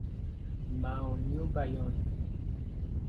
معانی و بیان